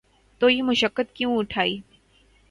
تو یہ مشقت کیوں اٹھائی؟